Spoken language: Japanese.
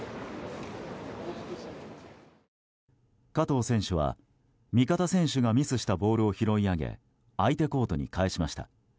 加藤選手は、味方選手がミスしたボールを拾い上げ相手コートに返しました。